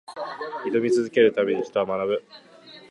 挑み続けるために、人は学ぶ。